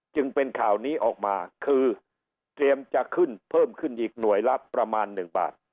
จึงเป็นข่าวนี้ออกมาคือเตรียมจะขึ้นเพิ่มขึ้นอีกหน่วยละประมาณ๑บาท